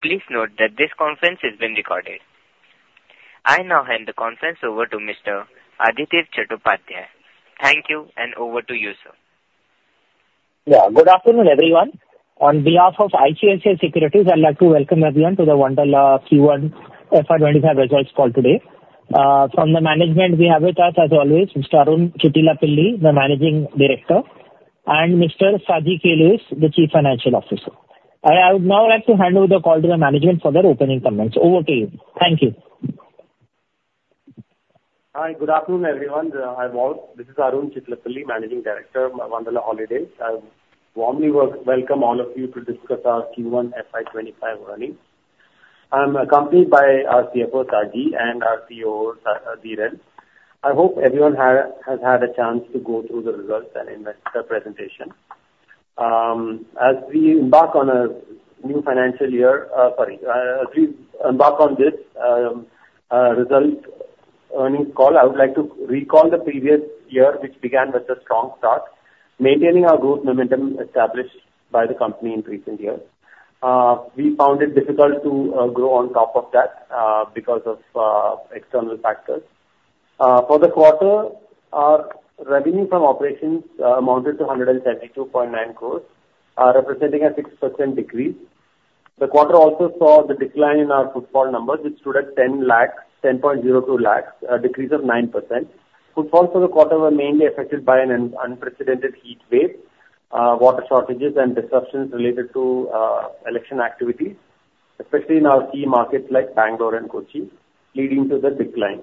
Please note that this conference is being recorded. I now hand the conference over to Mr. Adhidev Chattopadhyay. Thank you, and over to you, sir. Yeah. Good afternoon, everyone. On behalf of ICICI Securities, I'd like to welcome everyone to the Wonderla Q1 FY 2025 results call today. From the management, we have with us, as always, Mr. Arun Chittilappilly, the Managing Director, and Mr. Saji K. Louiz, the Chief Financial Officer. I would now like to hand over the call to the management for their opening comments. Over to you. Thank you. Hi. Good afternoon, everyone. I'm Arun. This is Arun Chittilappilly, Managing Director of Wonderla Holidays. I warmly welcome all of you to discuss our Q1 FY 2025 earnings. I'm accompanied by our CFO, Saji, and our COO, Dheeran. I hope everyone has had a chance to go through the results and investment presentation. As we embark on a new financial year, sorry, as we embark on this, result earnings call, I would like to recall the previous year, which began with a strong start, maintaining our growth momentum established by the company in recent years. We found it difficult to grow on top of that, because of external factors. For the quarter, our revenue from operations amounted to 172.9 crore, representing a 6% decrease. The quarter also saw the decline in our footfall numbers, which stood at 10 lakh, 10.02 lakh, a decrease of 9%. Footfalls for the quarter were mainly affected by an unprecedented heat wave, water shortages, and disruptions related to election activities, especially in our key markets like Bangalore and Kochi, leading to the decline.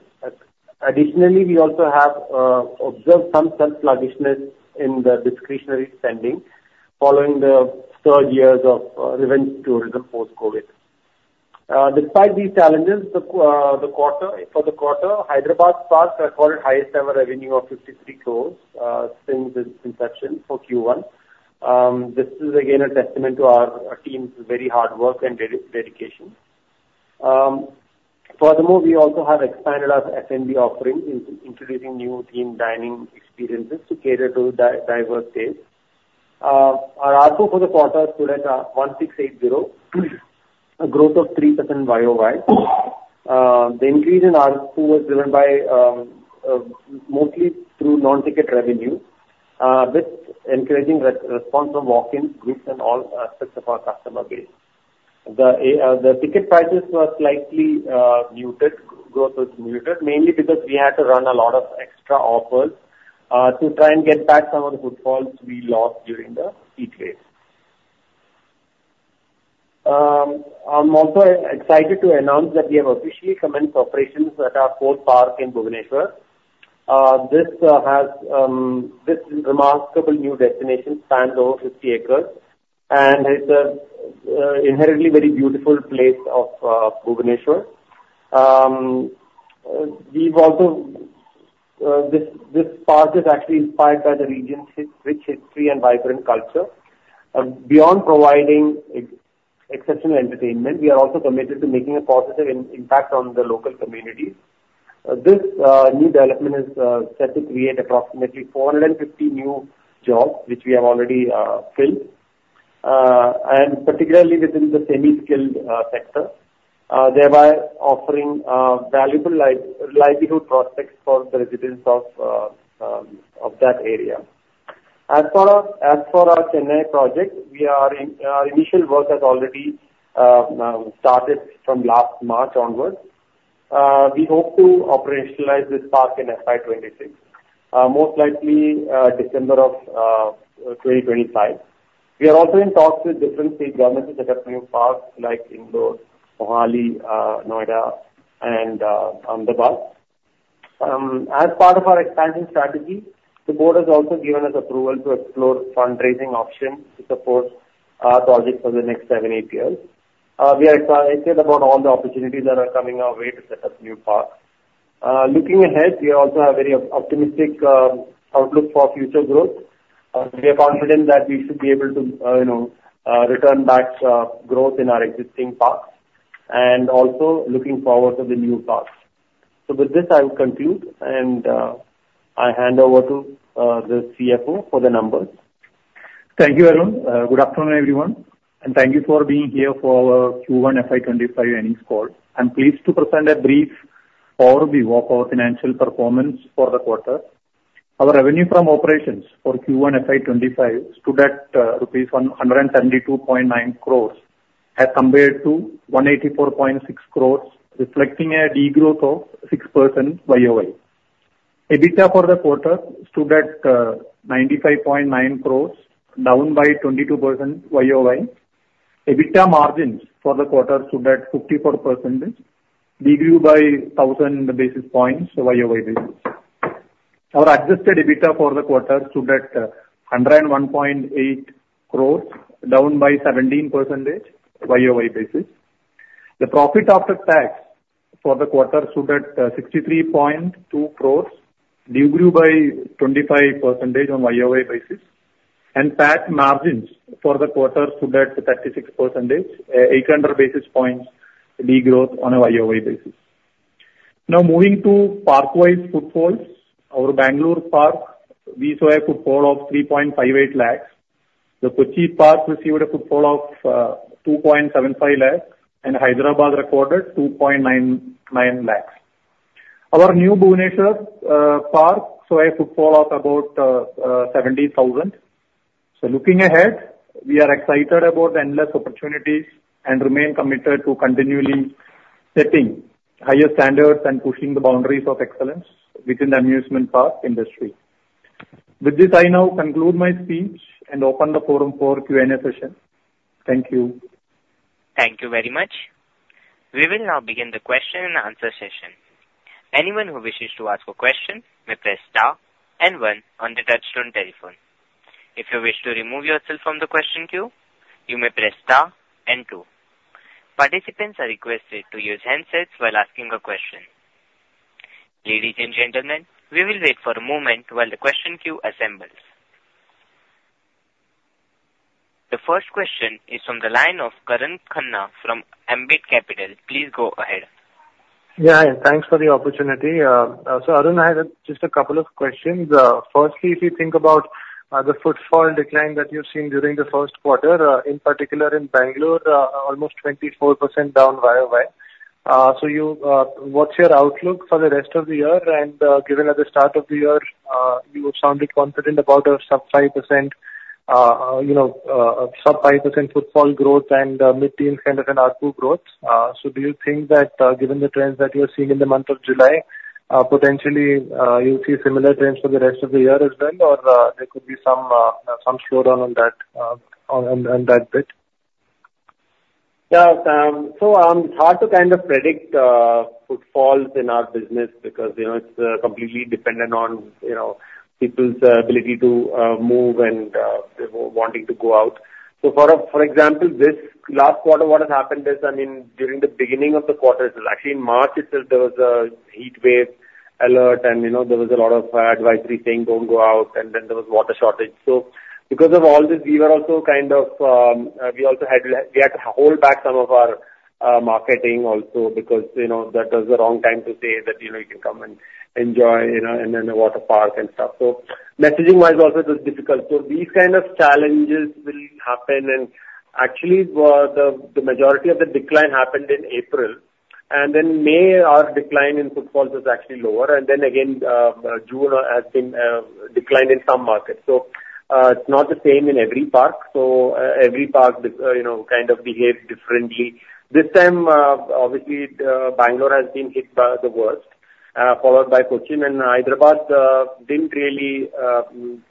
Additionally, we also observed some softening in the discretionary spending following the surge years of event tourism post-COVID. Despite these challenges, the quarter, Hyderabad park recorded highest ever revenue of 53 crore since its inception for Q1. This is again a testament to our team's very hard work and dedication. Furthermore, we also have expanded our F&B offering, introducing new themed dining experiences to cater to the diverse tastes. Our ARPU for the quarter stood at 1,680, a growth of 3% YOY. The increase in ARPU was driven by mostly through non-ticket revenue, with encouraging response from walk-ins, groups, and all aspects of our customer base. The ticket prices were slightly muted; growth was muted, mainly because we had to run a lot of extra offers, to try and get back some of the footfalls we lost during the heat wave. I'm also excited to announce that we have officially commenced operations at our fourth park in Bhubaneswar. This remarkable new destination spans over 50 acres and is inherently very beautiful place of Bhubaneswar. We've also, this park is actually inspired by the region's rich history and vibrant culture. Beyond providing exceptional entertainment, we are also committed to making a positive impact on the local communities. This new development is set to create approximately 450 new jobs, which we have already filled, and particularly within the semi-skilled sector, thereby offering valuable livelihood prospects for the residents of that area. As far as the Chennai project, we are in. Our initial work has already started from last March onwards. We hope to operationalize this park in FY 2026, most likely December 2025. We are also in talks with different state governments to set up new parks like Indore, Mohali, Noida, and Ahmedabad. As part of our expansion strategy, the Board has also given us approval to explore fundraising options to support our project for the next seven to eight years. We are excited about all the opportunities that are coming our way to set up new parks. Looking ahead, we also have a very optimistic outlook for future growth. We are confident that we should be able to, you know, return back growth in our existing parks and also looking forward to the new parks. So with this, I will conclude, and I hand over to the CFO for the numbers. Thank you, Arun. Good afternoon, everyone, and thank you for being here for our Q1 FY 2025 earnings call. I'm pleased to present a brief overview of our financial performance for the quarter. Our revenue from operations for Q1 FY 2025 stood at rupees 172.9 crore as compared to 184.6 crore, reflecting a degrowth of 6% YOY. EBITDA for the quarter stood at 95.9 crore, down by 22% YOY. EBITDA margins for the quarter stood at 54%, decreased by 1,000 basis points YOY basis. Our adjusted EBITDA for the quarter stood at 101.8 crore, down by 17% YOY basis. The profit after tax for the quarter stood at 63.2 crore, decreased by 25% on YOY basis. PAT margins for the quarter stood at 36%, 800 basis points degrowth on a YOY basis. Now, moving to park-wise footfalls, our Bangalore Park, we saw a footfall of 3.58 lakh. The Kochi Park received a footfall of 2.75 lakh, and Hyderabad recorded 2.99 lakh Our new Bhubaneswar Park saw a footfall of about 70,000. Looking ahead, we are excited about the endless opportunities and remain committed to continually setting higher standards and pushing the boundaries of excellence within the amusement park industry. With this, I now conclude my speech and open the forum for Q&A session. Thank you. Thank you very much. We will now begin the question and answer session. Anyone who wishes to ask a question may press star and one on the touch-tone telephone. If you wish to remove yourself from the question queue, you may press star and two. Participants are requested to use handsets while asking a question. Ladies and gentlemen, we will wait for a moment while the question queue assembles. The first question is from the line of Karan Khanna from Ambit Capital. Please go ahead. Yeah. Thanks for the opportunity. So Arun, I had just a couple of questions. Firstly, if you think about the footfall decline that you've seen during the first quarter, in particular in Bangalore, almost 24% down YOY. So, what's your outlook for the rest of the year? And given at the start of the year, you sounded confident about a sub-5%, you know, sub-5% footfall growth and mid-teens kind of an ARPU growth. So do you think that, given the trends that you're seeing in the month of July, potentially you'll see similar trends for the rest of the year as well, or there could be some slowdown on that, on that bit? Yeah. So, it's hard to kind of predict footfalls in our business because, you know, it's completely dependent on, you know, people's ability to move and they're wanting to go out. So for example, this last quarter, what has happened is, I mean, during the beginning of the quarter, it was actually in March itself, there was a heat wave alert, and, you know, there was a lot of advisory saying don't go out, and then there was water shortage. So because of all this, we were also kind of, we also had to, we had to hold back some of our marketing also because, you know, that was the wrong time to say that, you know, you can come and enjoy, you know, and then the water park and stuff. So messaging-wise also it was difficult. So these kind of challenges will happen, and actually, the majority of the decline happened in April, and then May, our decline in footfalls was actually lower. And then again, June has been declined in some markets. So, it's not the same in every park. So, every park, you know, kind of behaved differently. This time, obviously, Bangalore has been hit by the worst, followed by Kochi, and Hyderabad didn't really,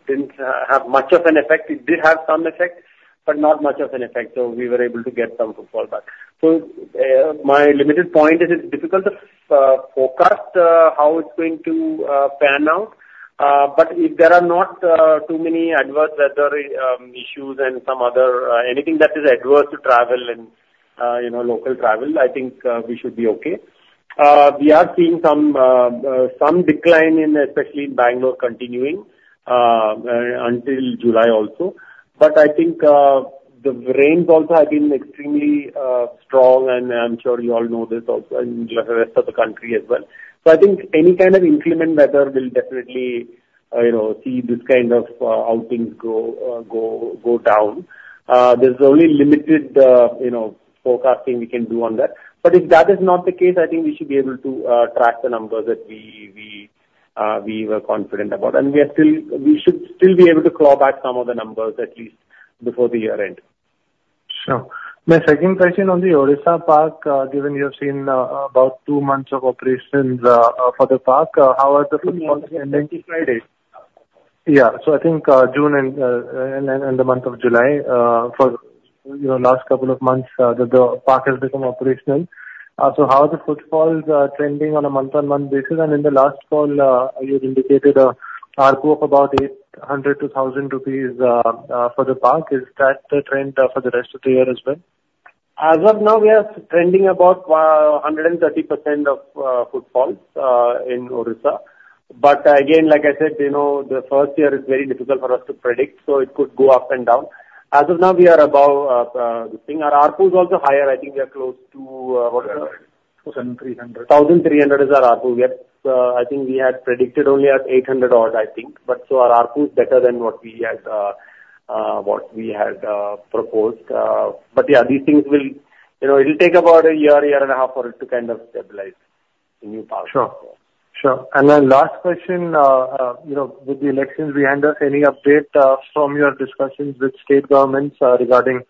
didn't have much of an effect. It did have some effect, but not much of an effect. So we were able to get some footfall back. So, my limited point is it's difficult to forecast how it's going to pan out. But if there are not too many adverse weather issues and some other anything that is adverse to travel and, you know, local travel, I think we should be okay. We are seeing some decline, especially in Bangalore, continuing until July also. But I think the rains also have been extremely strong, and I'm sure you all know this also in the rest of the country as well. So I think any kind of inclement weather will definitely, you know, see this kind of outings go down. There's only limited, you know, forecasting we can do on that. But if that is not the case, I think we should be able to track the numbers that we were confident about. And we are still; we should still be able to claw back some of the numbers at least before the year end. Sure. My second question on the Odisha Park, given you have seen, about 2 months of operations, for the park, how are the footfalls trending? Yeah. Yeah. So I think, June and the month of July, for, you know, last couple of months, the park has become operational. So how are the footfalls trending on a month-on-month basis? And in the last call, you indicated a ARPU of about 800 rupees to a 1,000 rupees for the park. Is that the trend for the rest of the year as well? As of now, we are trending about 130% of footfalls in Odisha. But again, like I said, you know, the first year is very difficult for us to predict, so it could go up and down. As of now, we are above the thing. Our ARPU is also higher. I think we are close to what? 1,300. 1,300 is our ARPU We have, I think, we had predicted only at 800-odd, I think. But so our ARPU is better than what we had, what we had, proposed. But yeah, these things will, you know, it'll take about a year, year and a half for it to kind of stabilize the new park. Sure. Sure. And then last question, you know, with the elections, we had any update from your discussions with state governments regarding,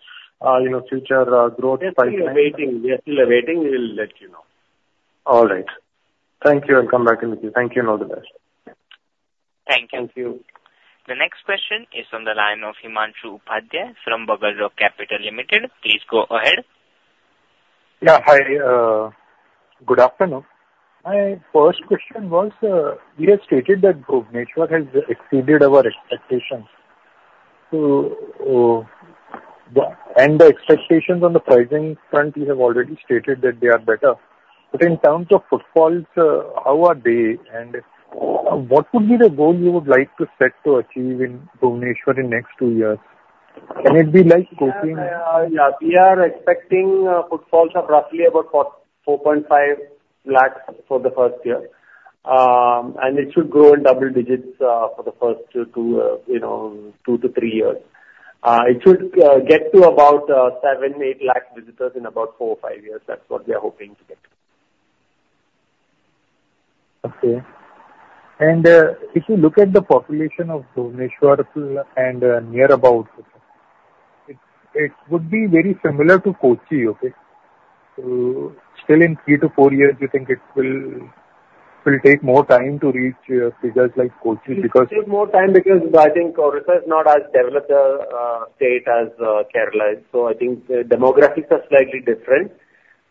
you know, future growth? We're still awaiting. We are still awaiting. We will let you know. All right. Thank you. I'll come back in with you. Thank you and all the best. Thank you. Thank you. The next question is from the line of Himanshu Upadhyay from BugleRock Capital Limited. Please go ahead. Yeah. Hi, good afternoon. My first question was, we have stated that Bhubaneswar has exceeded our expectations. So, and the expectations on the pricing front, we have already stated that they are better. But in terms of footfalls, how are they? And what would be the goal you would like to set to achieve in Bhubaneswar in the next two years? Can it be like Kochi, and? Yeah. Yeah. We are expecting footfalls of roughly about 4.5 lakh for the first year. It should grow in double digits for the first two, you know, two to tree years. It should get to about 7-8 lakh visitors in about four or five years. That's what we are hoping to get. Okay. If you look at the population of Bhubaneswar and near about it would be very similar to Kochi, okay? So still in three to four years, you think it will take more time to reach figures like Kochi because? It takes more time because I think Odisha is not as developed as Kerala.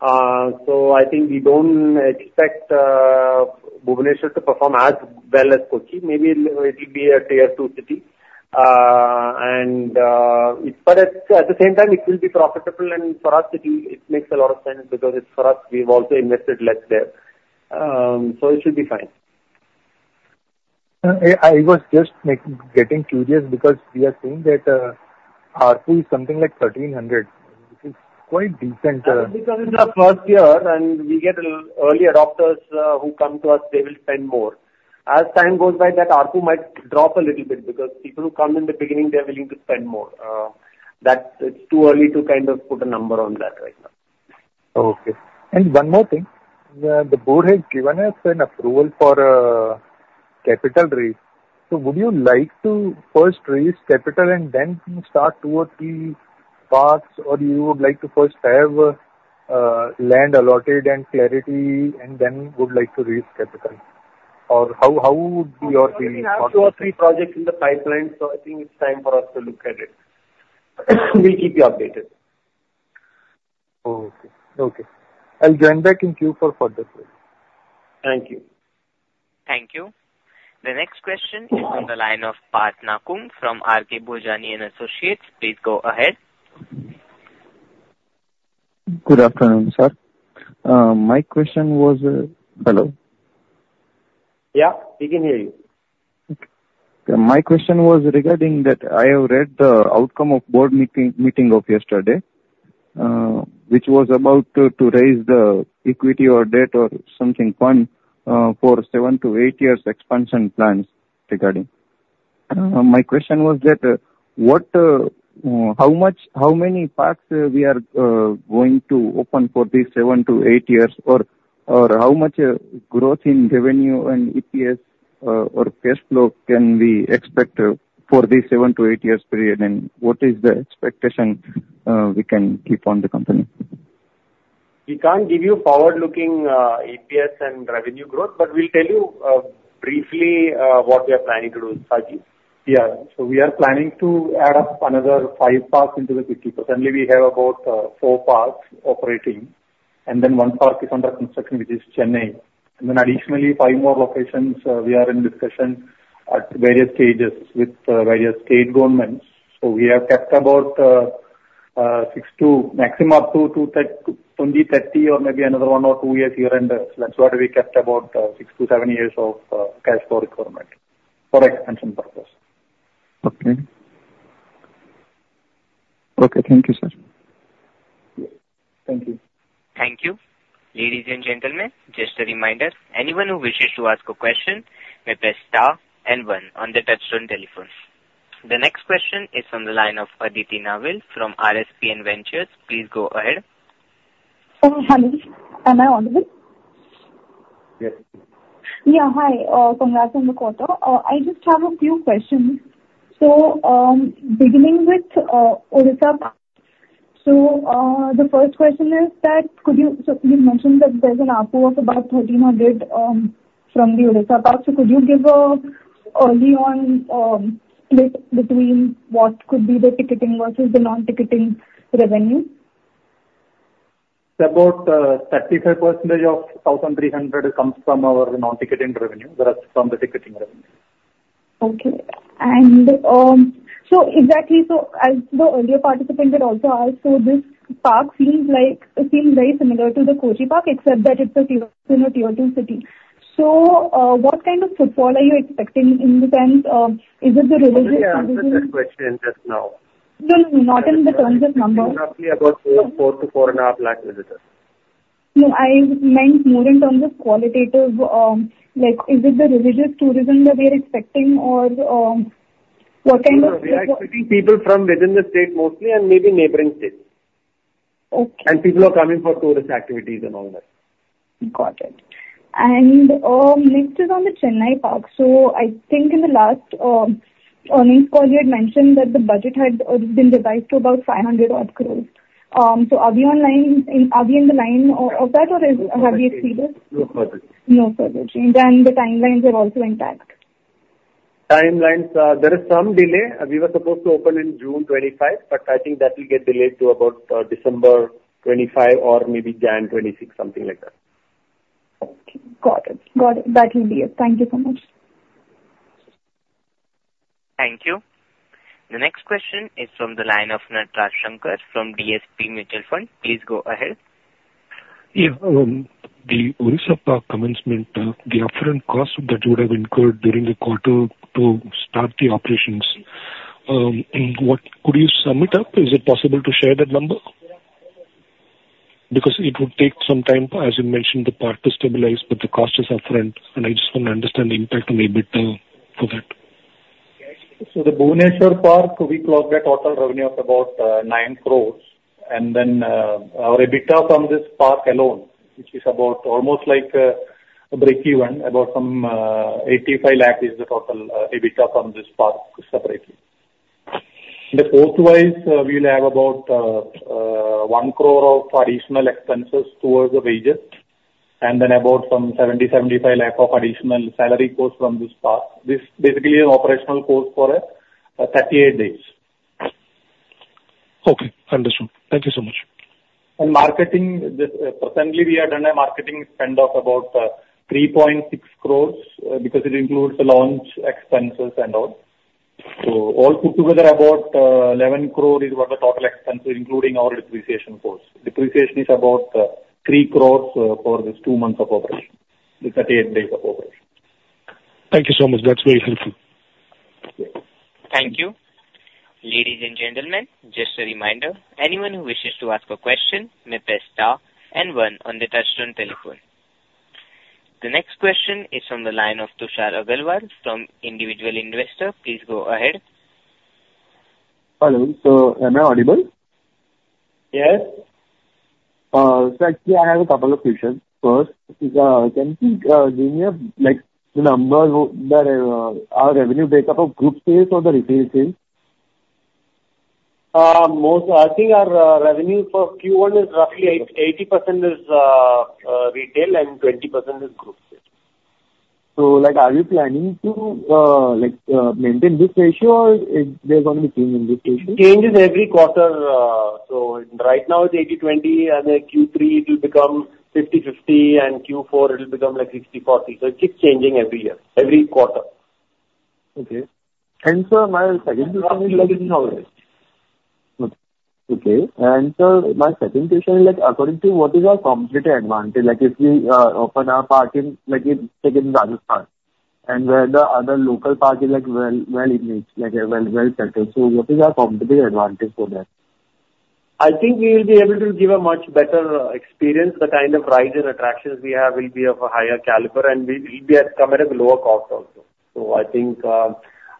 So I think we don't expect Bhubaneswar to perform as well as Kochi. Maybe it'll be a tier-two city. But at the same time, it will be profitable, and for us, it'll make a lot of sense because it's for us. We've also invested less there. So it should be fine. I was just getting curious because we are seeing that, ARPU is something like 1,300, which is quite decent. Yeah. Because it's our first year, and we get early adopters, who come to us. They will spend more. As time goes by, that ARPU might drop a little bit because people who come in the beginning, they're willing to spend more. That it's too early to kind of put a number on that right now. Okay. And one more thing. The board has given us an approval for capital raise. So would you like to first raise capital and then start two or three parks, or you would like to first have land allotted and clarity, and then would like to raise capital? Or how, how would your thinking? We have 2 or 3 projects in the pipeline, so I think it's time for us to look at it. We'll keep you updated. Okay. Okay. I'll join back in queue for further questions. Thank you. Thank you. The next question is from the line of Parth Nakum from R.K. Bhojani and Associates. Please go ahead. Good afternoon, sir. My question was, hello? Yeah. We can hear you. Okay. My question was regarding that I have read the outcome of board meeting, meeting of yesterday, which was about to raise the equity or debt or something fund, for seven to eight years expansion plans regarding. My question was that, what, how much, how many parks, we are going to open for these seven to eight years, or how much growth in revenue and EPS, or cash flow can we expect, for these seven to eight years period? And what is the expectation, we can keep on the company? We can't give you forward-looking EPS and revenue growth, but we'll tell you briefly what we are planning to do, Saji? Yeah. So we are planning to add up another five parks into the 50. Presently, we have about four parks operating, and then one park is under construction, which is Chennai. And then additionally, five more locations, we are in discussion at various stages with various state governments. So we have kept about six to maximum up to 20, 30, or maybe another one or two years year-end. That's why we kept about six to seven years of cash flow requirement for expansion purpose. Okay. Okay. Thank you, sir. Yes. Thank you. Thank you. Ladies and gentlemen, just a reminder, anyone who wishes to ask a question may press star and one on the touchtone telephone. The next question is from the line of Aditi Nawal from RSPN Ventures. Please go ahead. Hi. Am I audible? Yes. Yeah. Hi. So I'm [Rajendra Koppetta]. I just have a few questions. So, beginning with Odisha Park. So, the first question is that could you, so you mentioned that there's an ARPU of about 1,300 from the Odisha Park. So could you give an early on split between what could be the ticketing versus the non-ticketing revenue? It's about 35% of 1,300 comes from our non-ticketing revenue, but that's from the ticketing revenue. Okay. And, so exactly, so as the earlier participant had also asked, so this park feels like, feels very similar to the Kochi Park, except that it's a tier two, you know, tier two city. So, what kind of footfall are you expecting in the sense of, is it the revision? Yeah. I have that question just now. No, no, no. Not in the terms of numbers. It's roughly about four to 4.5 lakh visitors. No. I meant more in terms of qualitative, like, is it the religious tourism that we are expecting, or, what kind of? No, we are expecting people from within the state mostly and maybe neighboring states. Okay. People are coming for tourist activities and all that. Got it. And next is on the Chennai Park. So I think in the last earnings call, you had mentioned that the budget had been revised to about 500-odd crore. So are we on line, are we in the line of that, or have we exceeded? No, not yet. No further change. The timelines are also intact? Timelines, there is some delay. We were supposed to open in June 2025, but I think that will get delayed to about December 2025 or maybe January 2026, something like that. Okay. Got it. Got it. That will be it. Thank you so much. Thank you. The next question is from the line of Natraj Shankar from DSP Mutual Fund. Please go ahead. Yeah. The Odisha Park commencement, the upfront cost that you would have incurred during the quarter to start the operations, what could you sum it up? Is it possible to share that number? Because it would take some time, as you mentioned, the park to stabilize, but the cost is upfront. And I just want to understand the impact on EBITDA for that. So the Bhubaneswar Park, we clocked a total revenue of about 9 crore. And then, our EBITDA from this park alone, which is about almost like a break-even, about 85 lakh is the total EBITDA from this park separately. The cost-wise, we'll have about 1 crore of additional expenses towards the wages, and then about 70-75 lakh of additional salary cost from this park. This basically is an operational cost for 38 days. Okay. Understood. Thank you so much. Marketing, presently, we are done a marketing spend of about 3.6 crore, because it includes the launch expenses and all. So all put together about 11 crore is what the total expense is, including our depreciation cost. Depreciation is about 3 crore, for these two months of operation. It's 38 days of operation. Thank you so much. That's very helpful. Thank you. Thank you. Ladies and gentlemen, just a reminder, anyone who wishes to ask a question may press star and one on the touch-tone telephone. The next question is from the line of Tushar Agarwal from Individual Investor. Please go ahead. Hello. So am I audible? Yes. Sir, I have a couple of questions. First is, can you give me, like, the number that our revenue breakup of group sales or the retail sales? Most, I think our revenue for Q1 is roughly 80% is retail and 20% is group sales. So, like, are you planning to, like, maintain this ratio or is there going to be change in this ratio? Change is every quarter. So right now it's 80/20, and then Q3 it'll become 50/50, and Q4 it'll become like 60/40. So it keeps changing every year, every quarter. Okay. Sir, my second question is, like, in how? Okay. And sir, my second question is, like, according to what is our competitor advantage? Like, if we open our park in, like, say, in Rajasthan, and then the other local park is, like, well, well-imaged, like, well, well-settled. So what is our competitor advantage for that? I think we will be able to give a much better experience. The kind of rides and attractions we have will be of a higher caliber, and we'll be able to come at a lower cost also. So I think,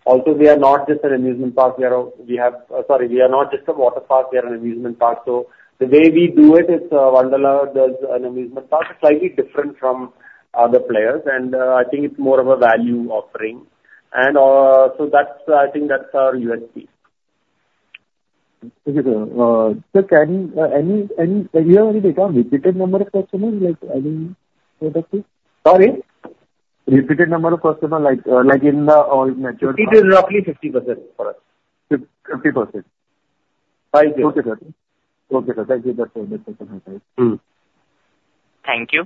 also we are not just an amusement park. We are a, we have, sorry, we are not just a water park. We are an amusement park. So the way we do it is, Wonderla does an amusement park. It's slightly different from other players. And, I think it's more of a value offering. And, so that's, I think that's our USP. Thank you, sir. Sir, do you have any data on repeated number of customers, like, I mean, for that too? Sorry? Repeated number of customers, like, like in the all mature? Repeated is roughly 50% for us. 50%. 50%. Okay, sir. Okay, sir. Thank you. That's all. That's all from my side. Thank you.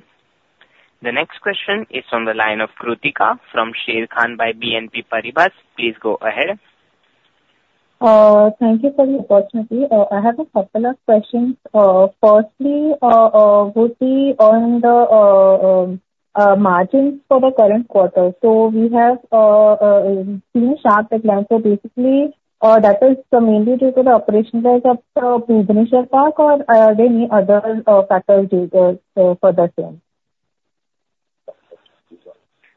The next question is from the line of Kruttika from Sharekhan by BNP Paribas. Please go ahead. Thank you for the opportunity. I have a couple of questions. Firstly, would be on the margins for the current quarter. So we have seen a sharp decline. So basically, that is mainly due to the operation of the Bhubaneswar Park, or are there any other factors due to for the same?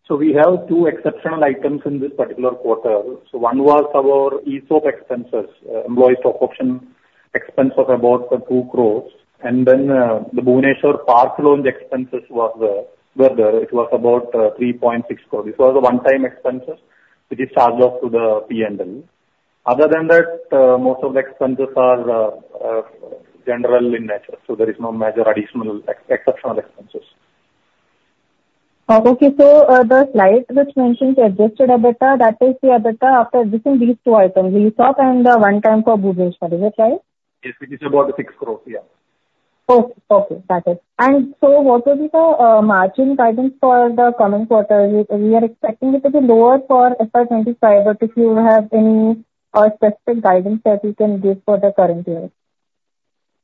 So we have two exceptional items in this particular quarter. One was our ESOP expenses, employee stock option expense of about 2 crore. And then, the Bhubaneswar Park loan expenses were there. It was about 3.6 crore. This was a one-time expense, which is charged off to the P&L. Other than that, most of the expenses are general in nature. There is no major additional exceptional expenses. Okay. So, the slide which mentions adjusted EBITDA, that is the EBITDA after adjusting these two items, ESOP and the one-time for Bhubaneswar. Is that right? Yes. It is about 6 crore. Yeah. Okay. Okay. Got it. And so what would be the margin guidance for the coming quarter? We are expecting it to be lower for FY 2025, but if you have any specific guidance that you can give for the current year?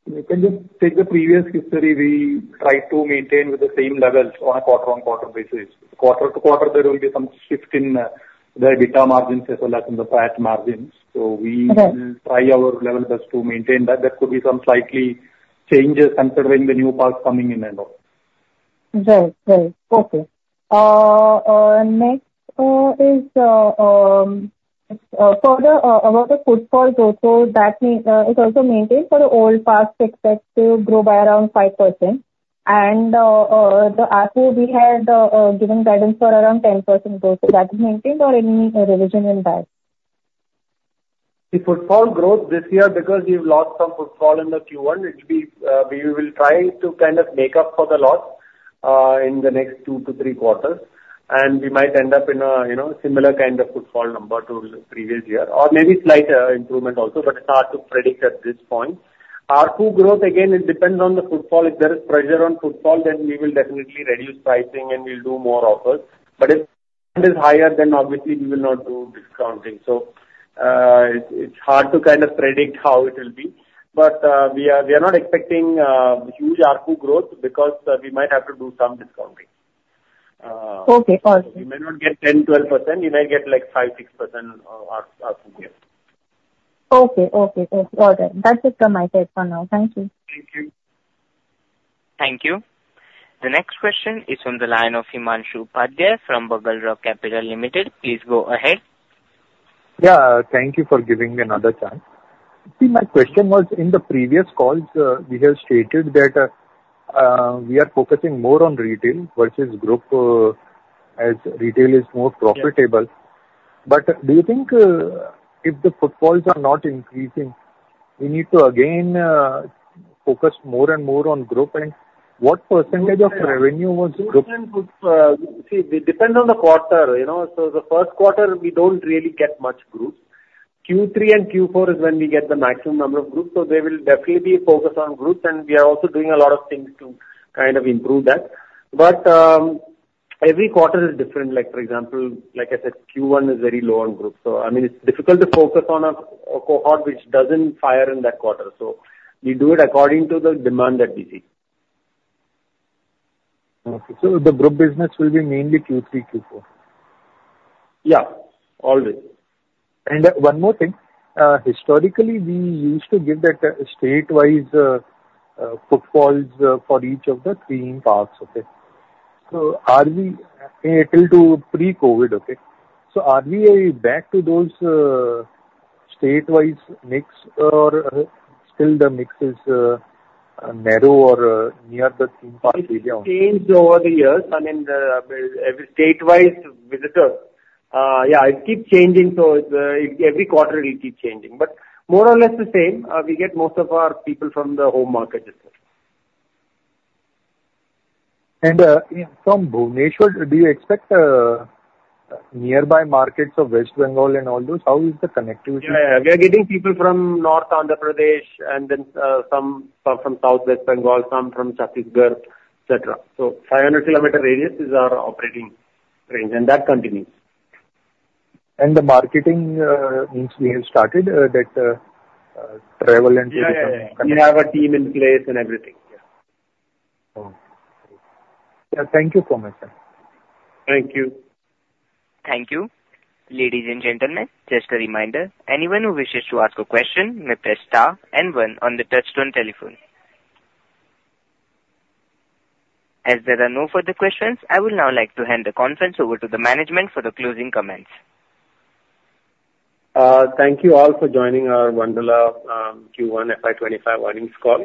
We can just take the previous history. We try to maintain with the same levels on a quarter-on-quarter basis. Quarter to quarter, there will be some shift in the EBITDA margins, as well as in the PAT margins. So we will try our level best to maintain that. There could be some slightly changes considering the new parks coming in and out. Right. Right. Okay. Next is about the footfall growth, so that means it's also maintained for the old parks, expect to grow by around 5%. The ARPU we had given guidance for around 10% growth. Is that maintained or any revision in that? The footfall growth this year, because we've lost some footfall in the Q1, it will be, we will try to kind of make up for the loss, in the next two to tree quarters. And we might end up in a, you know, similar kind of footfall number to the previous year, or maybe slight, improvement also, but it's hard to predict at this point. ARPU growth, again, it depends on the footfall. If there is pressure on footfall, then we will definitely reduce pricing and we'll do more offers. But if it is higher, then obviously we will not do discounting. So, it's hard to kind of predict how it will be. But, we are not expecting, huge ARPU growth because, we might have to do some discounting. Okay. Okay. We may not get 10%-12%. We may get, like, 5%-6% of ARPU growth. Okay. Okay. Okay. Got it. That's it from my side for now. Thank you. Thank you. Thank you. The next question is from the line of Himanshu Upadhyay from BugleRock Capital Limited. Please go ahead. Yeah. Thank you for giving me another chance. See, my question was, in the previous calls, we have stated that, we are focusing more on retail versus group, as retail is more profitable. But do you think, if the footfalls are not increasing, we need to again, focus more and more on group? And what percentage of revenue was group? Groups, see, we depend on the quarter, you know. So the first quarter, we don't really get much groups. Q3 and Q4 is when we get the maximum number of groups. So they will definitely be focused on groups. And we are also doing a lot of things to kind of improve that. But every quarter is different. Like, for example, like I said, Q1 is very low on groups. So, I mean, it's difficult to focus on a cohort which doesn't fire in that quarter. So we do it according to the demand that we see. Okay. So the group business will be mainly Q3, Q4? Yeah. Always. And one more thing. Historically, we used to give that statewise footfalls for each of the three parks, okay? So are we little to pre-COVID, okay? So are we back to those statewise mix, or still the mix is narrow or near the three park area only? It's changed over the years. I mean, every statewise visitor, yeah, it keeps changing. So it's, every quarter it keeps changing. But more or less the same. We get most of our people from the home market. From Bhubaneswar, do you expect nearby markets of West Bengal and all those? How is the connectivity? Yeah. We are getting people from North Andhra Pradesh and then, some, some from South West Bengal, some from Chhattisgarh, etc. So 500km radius is our operating range, and that continues. And the marketing means we have started that, travel and. Yes. We have a team in place and everything. Yeah. Oh. Yeah. Thank you so much, sir. Thank you. Thank you. Ladies and gentlemen, just a reminder, anyone who wishes to ask a question may press star and one on the touch-tone telephone. As there are no further questions, I will now like to hand the conference over to the management for the closing comments. Thank you all for joining our Wonderla Q1 FY25 earnings call.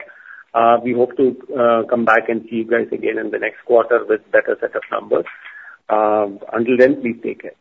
We hope to come back and see you guys again in the next quarter with better setup numbers. Until then, please take care.